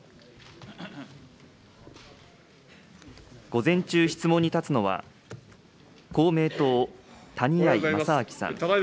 午前中、質問に立つのは、公明党、谷合正明さん。